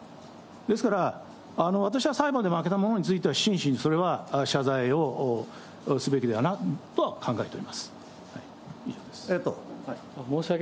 ですから、私は裁判で負けたものについては、しんしにそれは謝罪をすべきだなとは考えております。